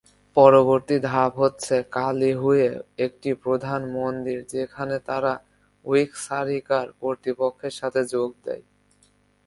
পরবর্তী ধাপ হচ্ছে "কালিহুয়ে", একটি প্রধান মন্দির যেখানে তারা উইক্সারিকার কর্তৃপক্ষের সাথে যোগ দেয়।